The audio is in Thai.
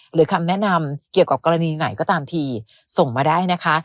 คำแนะนำเกี่ยวกับกรณีไหนก็ตามทีส่งมาได้นะคะ